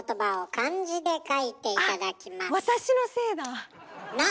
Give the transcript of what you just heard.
あっ私のせいだ。